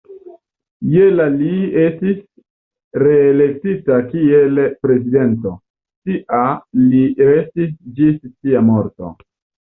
Je la li estis reelektita kiel prezidento; tia li restis ĝis sia morto.